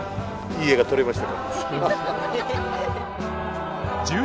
いい絵が撮れましたか。